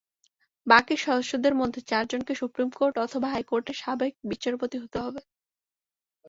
বাকি সদস্যদের মধ্যে চারজনকে সুপ্রিম কোর্ট অথবা হাইকোর্টের সাবেক বিচারপতি হতে হবে।